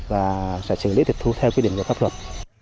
và sẽ xử lý tiệt thu theo quy định của cấp luật